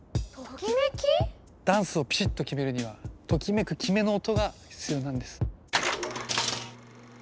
ダンスをピシッと決めるにはときめく「キメ」の音が必要なんです。